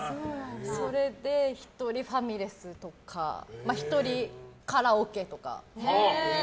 それで１人ファミレスとか１人カラオケとか。